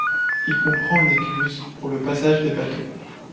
Il comprend un écluse pour le passage des bateaux.